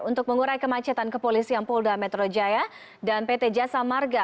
untuk mengurai kemacetan kepolisian polda metro jaya dan pt jasa marga